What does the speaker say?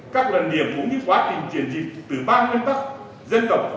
các lần điểm cũng như quá trình triển dịch từ ba nguyên tắc dân tộc